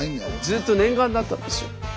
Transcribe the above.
ずっと念願だったんですよ。